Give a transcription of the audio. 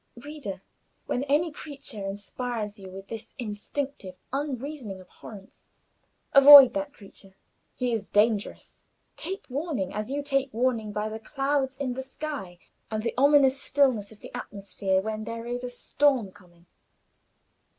Reader, when any creature inspires you with this instinctive, unreasoning abhorrence, avoid that creature. He is dangerous. Take warning, as you take warning by the clouds in the sky and the ominous stillness of the atmosphere when there is a storm coming.